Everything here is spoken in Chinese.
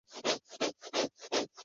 一般分为二十四章。